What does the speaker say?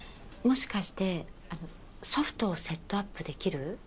もしかしてあのソフトをセットアップできる？